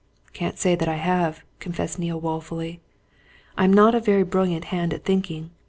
"Can't say that I have!" confessed Neale woefully. "I'm not a very brilliant hand at thinking.